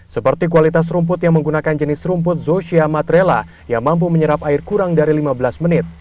seperti kualitas rumput yang menggunakan jenis rumput zosia matrela yang mampu menyerap air kurang dari lima belas menit